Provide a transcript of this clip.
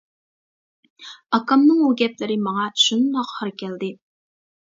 ئاكامنىڭ ئۇ گەپلىرى ماڭا شۇنداق ھار كەلدى.